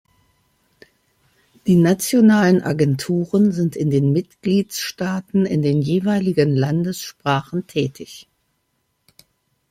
Die nationalen Agenturen sind in den Mitgliedstaaten in den jeweiligen Landessprachen tätig.